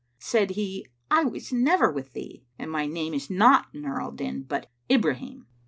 Said he, "I was never with thee: and my name is not Nur al Din, but Ibrahim."